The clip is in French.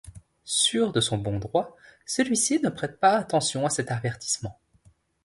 Sûr de son bon droit, celui-ci ne prête pas attention à cet avertissement.